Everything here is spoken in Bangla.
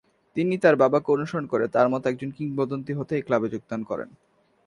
তিনি তার বাবাকে অনুসরণ করে তার মতো একজন কিংবদন্তি হতে এই ক্লাবে যোগদান করেন।